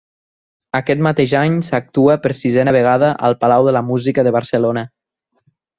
Aquest mateix any s'actua, per sisena vegada, al Palau de la Música de Barcelona.